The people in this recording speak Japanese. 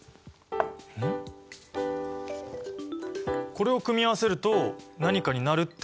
これを組み合わせると何かになるってことですか？